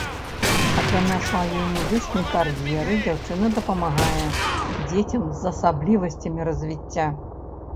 Акрамя сваёй музычнай кар'еры, дзяўчына дапамагае дзецям з асаблівасцямі развіцця.